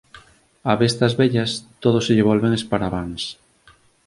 A bestas vellas, todo se lle volven esparaváns.